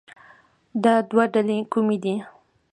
دا دوه ډلې کومې دي